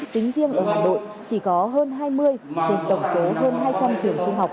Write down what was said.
tính riêng ở hà nội chỉ có hơn hai mươi trên tổng số hơn hai trăm linh trường trung học